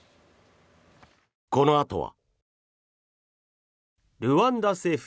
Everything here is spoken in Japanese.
このあとは。